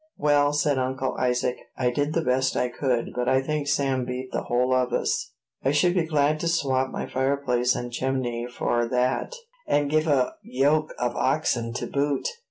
"Well," said Uncle Isaac, "I did the best I could; but I think Sam beat the whole of us. I should be glad to swap my fireplace and chimney for that, and give a yoke of oxen to boot."